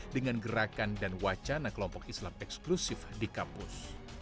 dengan gerakan dan wacana kelompok islam eksklusif di kampus